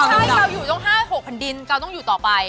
ไม่ใช่กาวอยู่ตรง๕๖พันธุ์ดินกาวต้องอยู่ต่อไป